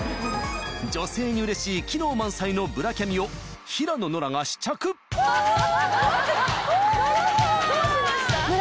女性にうれしい機能満載のブラキャミを平野ノラが試着フゥ！